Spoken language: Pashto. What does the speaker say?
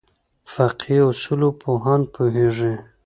فقهې اصولو پوهان پوهېږي.